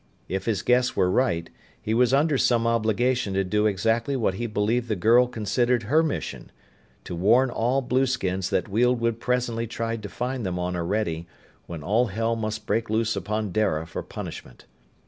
If his guess were right, he was under some obligation to do exactly what he believed the girl considered her mission to warn all blueskins that Weald would presently try to find them on Orede, when all hell must break loose upon Dara for punishment.